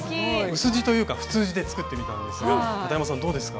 薄地というか普通地で作ってみたんですがかたやまさんどうですか？